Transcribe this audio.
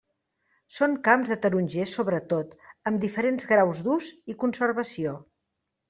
Són camps de tarongers sobretot, amb diferents graus d'ús i conservació.